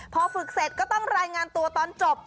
พอฝึกเสร็จก็ต้องรายงานตัวตอนจบ